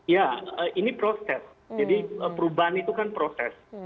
ya ini proses jadi perubahan itu kan proses